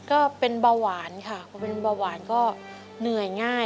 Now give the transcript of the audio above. ก็เป็นเบาหวานค่ะพอเป็นเบาหวานก็เหนื่อยง่าย